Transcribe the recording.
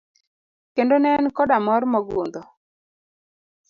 Kendo ne en koda mor mogundho.